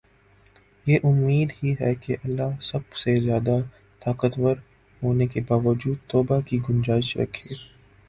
یہ امید ہی ہے کہ اللہ سب سے زیادہ طاقتور ہونے کے باوجود توبہ کی گنجائش رکھے